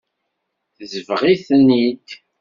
Tesbeɣ-iten-id.